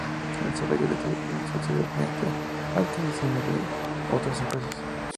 El desarrollo de esta división se aceleró mediante adquisiciones de otras empresas.